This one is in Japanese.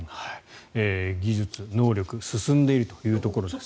技術、能力進んでいるというところです。